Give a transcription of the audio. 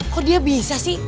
kok dia bisa sih